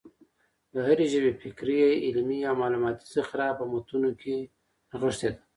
د هري ژبي فکري، علمي او معلوماتي ذخیره په متونو کښي نغښتې ده.